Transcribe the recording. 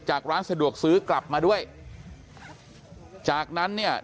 ร้านสะดวกซื้อกลับมาด้วยจากนั้นเนี่ย